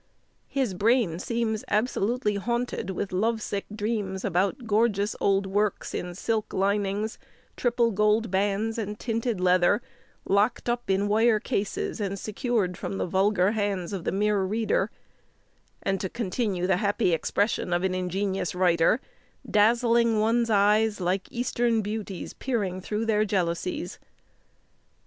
His brain seems absolutely haunted with love sick dreams about gorgeous old works in "silk linings, triple gold bands, and tinted leather, locked up in wire cases, and secured from the vulgar hands of the mere reader;" and, to continue the happy expression of an ingenious writer, "dazzling one's eyes, like eastern beauties peering through their jealousies."